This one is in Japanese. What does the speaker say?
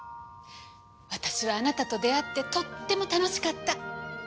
私はあなたと出会ってとっても楽しかった。